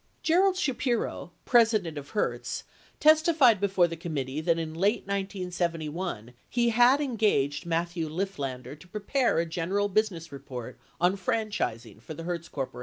84 Gerald Shapiro, president of Hertz, testified before the committee that in late 1971 he had engaged Matthew Lifflander to prepare a gen eral business report on franchising for the Hertz Corp.